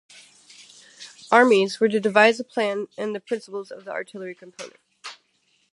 Armies were to devise the plan and the principles of the artillery component.